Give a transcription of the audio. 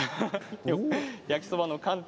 焼きそばの寒天。